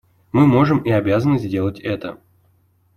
Мы можем и обязаны сделать это.